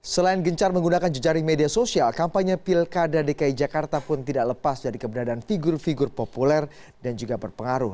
selain gencar menggunakan jejaring media sosial kampanye pilkada dki jakarta pun tidak lepas dari keberadaan figur figur populer dan juga berpengaruh